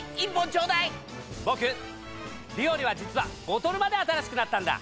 ボクビオレは実はボトルまで新しくなったんだ！